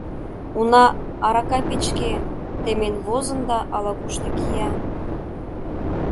Уна, арака печке, темен возын да ала-кушто кия.